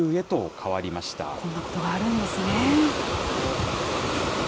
こんなことがあるんですね。